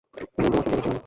সেদিন তোমাকে দেখেছিলাম।